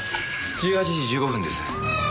１８時１５分です。